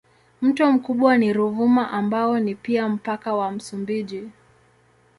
Mto mkubwa ni Ruvuma ambao ni pia mpaka wa Msumbiji.